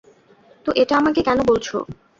তো এটা আমাকে কেন বলছো?